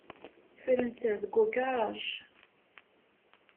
Ffrent deg ugaṛaj.